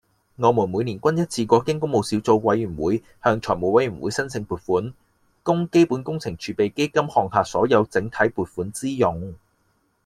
我們每年均一次過經工務小組委員會向財務委員會申請撥款，供基本工程儲備基金項下所有整體撥款支用